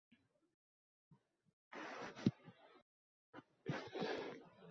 Sizdan juda uzoqda bo‘lgan kishi buni his qiladi